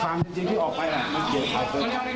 ใช่ครับผมมาอัง